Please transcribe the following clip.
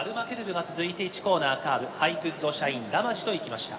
１コーナーカーブハイグッドシャインラマジと行きました。